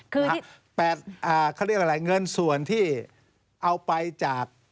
คือเขาเรียกอะไรเงินส่วนที่เอาไปจาก